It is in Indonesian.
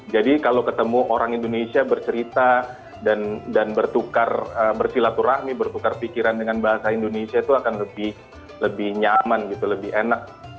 jadi kalau ketemu orang indonesia bercerita dan bertukar bersilaturahmi bertukar pikiran dengan bahasa indonesia itu akan lebih nyaman gitu lebih enak